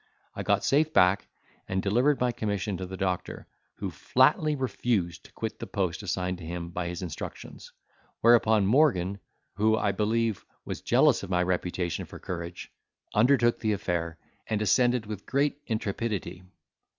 I got safe back, and delivered my commission to the doctor, who flatly refused to quit the post assigned to him by his instructions; whereupon Morgan, who I believe, was jealous of my reputation for courage, undertook the affair, and ascended with great intrepidity.